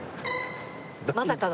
まさかの。